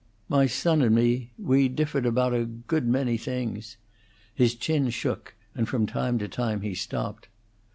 My son and me we differed about a good many things." His chin shook, and from time to time he stopped.